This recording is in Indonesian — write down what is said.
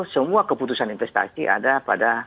semua keputusan investasi ada pada